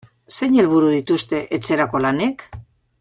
Zein helburu dituzte etxerako lanek?